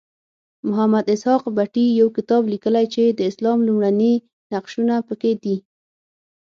محمد اسحاق بټي یو کتاب لیکلی چې د اسلام لومړني نقشونه پکې دي.